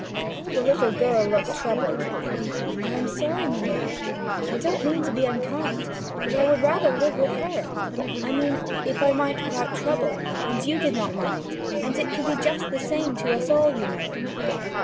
The little girl looked troubled. 'I am sorry, mamma; I don't mean to be unkind; but I would rather live with her; I mean, if I might without trouble, and you did not mind, and it could be just the same to us all, you know.'